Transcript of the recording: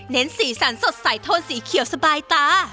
สีสันสดใสโทนสีเขียวสบายตา